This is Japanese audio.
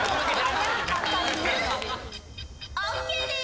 ＯＫです。